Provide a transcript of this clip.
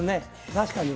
確かに。